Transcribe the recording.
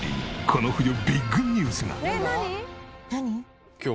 この冬ビッグニュースが！